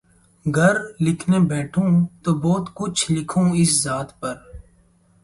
گر لکھنے بیٹھوں تو بہت کچھ لکھوں اس ذات پر